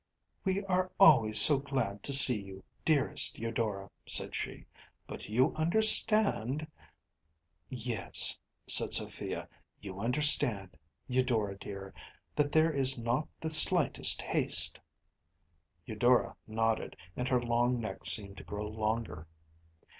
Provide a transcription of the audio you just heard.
“We are always so glad to see you, dearest Eudora,‚ÄĚ said she, “but you understand ‚ÄĚ ‚ÄúYes,‚ÄĚ said Sophia, “you understand, Eudora dear, that there is not the slightest haste.‚ÄĚ Eudora nodded, and her long neck seemed to grow longer.